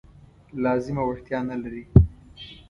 لازمه وړتیا نه لري.